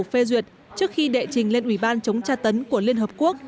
phê duyệt trước khi đệ trình lên ủy ban chống tra tấn của liên hợp quốc